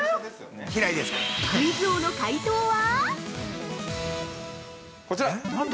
◆クイズ王の解答は？